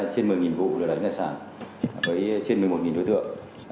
trên một mươi vụ lừa đảo trên tài sản với trên một mươi một đối tượng